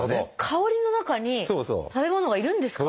香りの中に食べ物がいるんですか？